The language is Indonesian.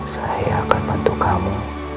saya akan bantu kamu